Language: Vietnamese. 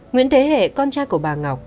nguyễn thế hệ con trai của bà ngọc